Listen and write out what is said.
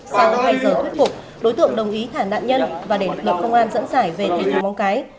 sau hai giờ thuyết phục đối tượng đồng ý thả nạn nhân và để lực lượng công an dẫn giải về thành phố móng cái